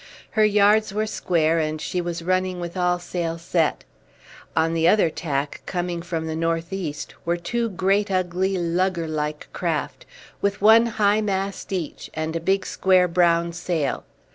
Her yards were square and she was running with all sail set. On the other tack, coming from the north east, were two great ugly lugger like craft, with one high mast each, and a big square brown sail.